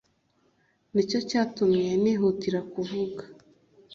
ni cyo cyatumye nihutira kuvuga